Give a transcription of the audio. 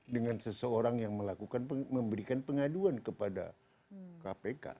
dengan seseorang yang memberikan pengaduan kepada kpk